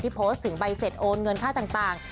โพสต์ถึงใบเสร็จโอนเงินค่าต่าง